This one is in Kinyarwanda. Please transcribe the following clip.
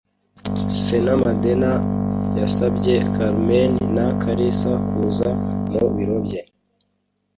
Señor Medena yasabye Carmen na Kalisa kuza mu biro bye.